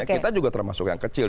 kita juga termasuk yang kecil